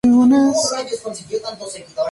El clima es un clima mediterráneo seco.